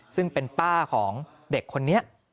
ซึ่งเป็นป้าของเด็กคนนี้